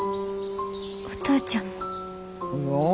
お父ちゃんも。